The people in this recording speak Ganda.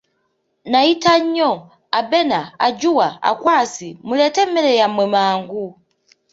Nayita ennyo, Abena, Ajua, Akwasi, muleete emmere yamwe mangu!